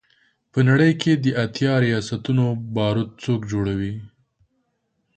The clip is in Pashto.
په نړۍ کې د اتیا ریاستونو بارود څوک جوړوي.